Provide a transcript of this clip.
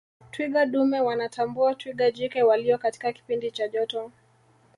twiga dume wanatambua twiga jike waliyo katika kipindi cha joto